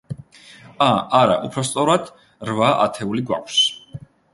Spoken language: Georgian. ა, არა, უფრო სწორად, რვა ათეული გვაქვს.